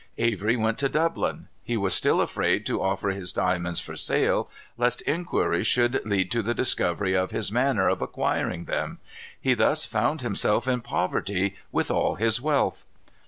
Avery went to Dublin. He was still afraid to offer his diamonds for sale, lest inquiry should lead to the discovery of his manner of acquiring them. He thus found himself in poverty with all his wealth.